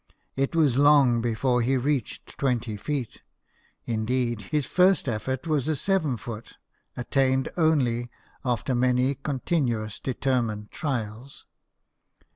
It was long before he reached twenty feet, indeed : his first effort was a seven foot, attained only " after many continuous determined trials."